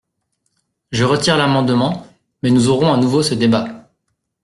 Je retire l’amendement, mais nous aurons à nouveau ce débat.